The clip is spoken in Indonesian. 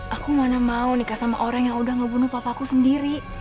aku mana mau nikah sama orang yang udah ngebunuh papaku sendiri